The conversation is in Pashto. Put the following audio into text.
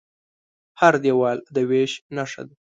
هر دیوال د وېش نښه ده.